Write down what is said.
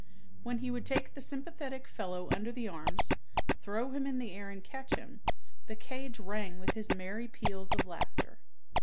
When he would take the sympathetic fellow under the arms, throw him in the air and catch him, the cage rang with his merry peals of laughter.